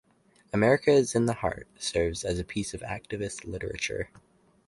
"America Is in the Heart" serves as a piece of activist literature.